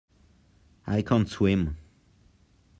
I can't swim.